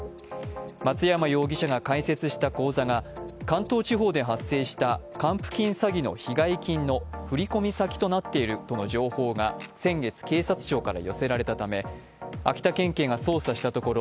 松山容疑者が開設した口座が関東地方で発生した還付金詐欺の被害金の振込先となっているとの情報が先月警察庁から寄せられたため、秋田県警が捜査したところ